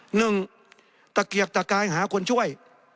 หนึ่งตะเกียกตะกายหาคนช่วย